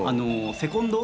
セコンド！